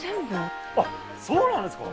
あっそうなんですか？